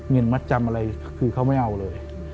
เงินมัดจำอะไรคือเขาไม่เอาเลย